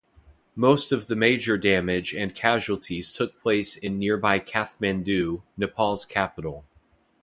Most of the major damage and casualties took place in nearby Kathmandu, Nepal's capital.